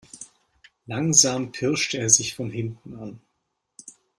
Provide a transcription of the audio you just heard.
Langsam pirschte er sich von hinten an.